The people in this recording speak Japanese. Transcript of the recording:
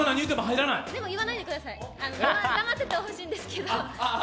でも言わないでください、黙っててはほしいんですけど。